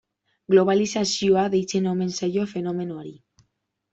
Globalizazioa deitzen omen zaio fenomenoari.